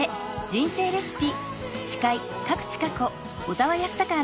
人生レシピ」。